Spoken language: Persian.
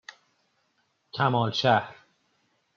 کمالشهر